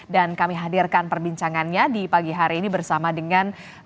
dan kami hadirkan perbincangannya di pagi hari ini bersama dengan